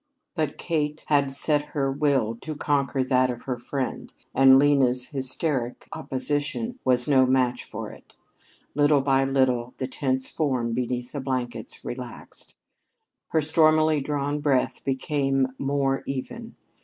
But Kate had set her will to conquer that of her friend and Lena's hysteric opposition was no match for it. Little by little the tense form beneath the blankets relaxed. Her stormily drawn breath became more even.